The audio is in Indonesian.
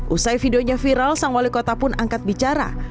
usai videonya viral sang wali kota pun angkat bicara